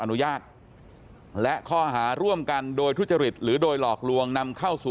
อนุญาตและข้อหาร่วมกันโดยทุจริตหรือโดยหลอกลวงนำเข้าสู่